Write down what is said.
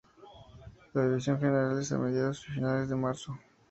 La división general es a mediados y finales de marzo.